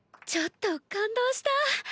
ちょっと感動した。